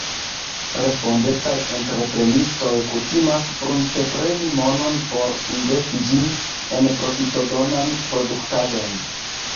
Respondecaj entreprenistoj kutimas pruntepreni monon por investi ĝin en profitodonan produktadon.